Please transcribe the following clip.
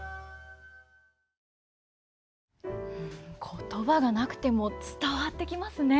言葉がなくても伝わってきますね。